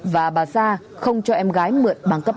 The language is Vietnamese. và bà sa không cho em gái mượn băng cấp ba